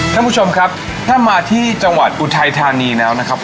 ท่านผู้ชมครับถ้ามาที่จังหวัดอุทัยธานีแล้วนะครับ